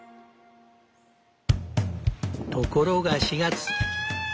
ところが４月。